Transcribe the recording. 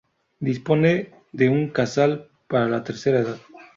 Dispone de un casal para la tercera edad.